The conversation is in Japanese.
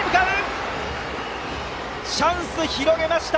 チャンスを広げました！